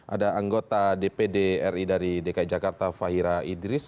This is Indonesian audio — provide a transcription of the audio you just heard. ada anggota dpd ri dari dki jakarta fahira idris